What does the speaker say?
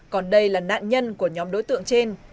còn đây là nạn nhân của nhóm đối tượng trên